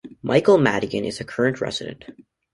Michael Madigan is a Current resident.